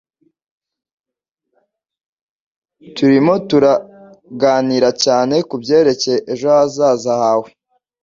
Turimo turaganira cyane kubyerekeye ejo hazaza hawe.